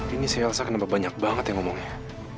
ini saya rasa kenapa banyak banget yang ngomongnya